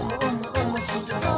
おもしろそう！」